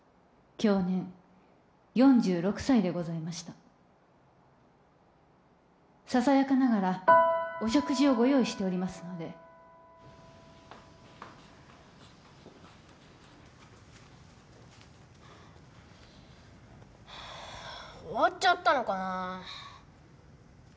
享年４６歳でございましたささやかながらお食事をご用意しておりますので終わっちゃったのかなあ